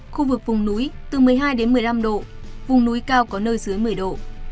khu vực vùng núi từ một mươi hai đến một mươi năm độ vùng núi cao có nơi dưới một mươi độ